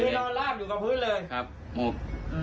คือนอนลาบอยู่กับพื้นเลยครับหมด